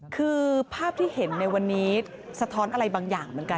คือภาพที่เห็นในวันนี้สะท้อนอะไรบางอย่างเหมือนกัน